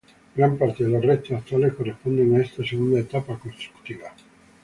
Gran parte de los restos actuales corresponden a esta segunda etapa constructiva.